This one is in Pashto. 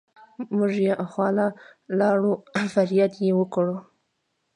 مونږ يې خواله لاړو فرياد يې وکړو